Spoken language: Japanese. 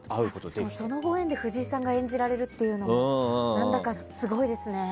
しかもそのご縁で藤井さんが演じられるっていうのが何だかすごいですね。